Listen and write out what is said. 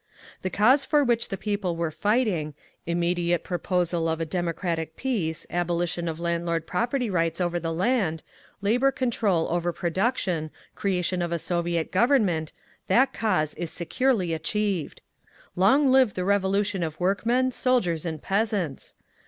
The cause for which the people were fighting: immediate proposal of a democratic peace, abolition of landlord property rights over the land, labor control over production, creation of a Soviet Government—that cause is securely achieved. LONG LIVE THE REVOLUTION OF WORKMEN, SOLDIERS AND PEASANTS!